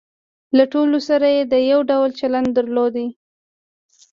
له ټولو سره یې یو ډول چلن درلود.